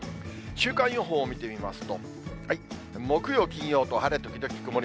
週間予報を見てみますと、木曜、金曜と晴れ時々曇り。